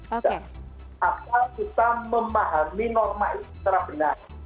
dan akan susah memahami norma itu secara benar